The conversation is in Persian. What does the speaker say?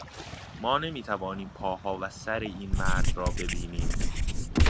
ما نمیتوانیم پاها و سر این مرد را ببینیم.